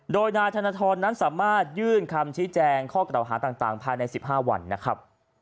โดยนายธนทรนั้นสามารถยื่นคำชี้แจงข้อกล่าวหาต่างภายใน๑๕วันนะครับ